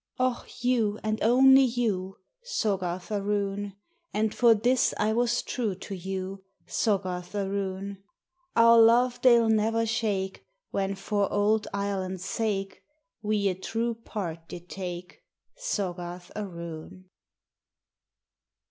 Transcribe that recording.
Och ! you, and only you, Soggarth aroon ! And for this I was true to you, Soggarth aroon ! Our love they '11 never shake, When for ould Ireland's sake We a true part did take, Soggarth aroon